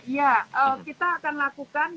ya kita akan lakukan